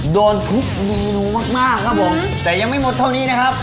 โดนทุกเมนูมากมากครับผมแต่ยังไม่หมดเท่านี้นะครับ